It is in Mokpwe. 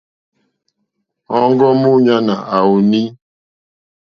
Òŋɡó múɲánà à wùùnî.